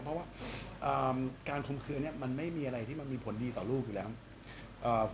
เพราะว่าการคมคืนเนี่ยมันไม่มีอะไรที่มันมีผลดีต่อลูกอยู่แล้ว